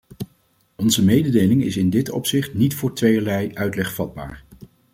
Onze mededeling is in dit opzicht niet voor tweeërlei uitleg vatbaar.